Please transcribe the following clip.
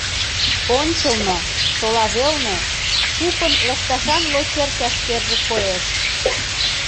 Ончылно, шола велне, купын лышташан лочер чашкерже коеш.